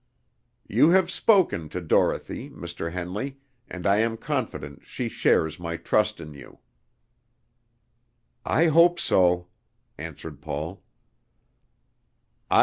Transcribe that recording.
You have spoken to Dorothy, Mr. Henley, and I am confident she shares my trust in you." "I hope so," answered Paul.